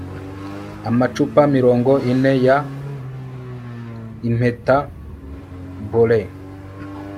Amacupa mirongo ine ya ImpetaBoRee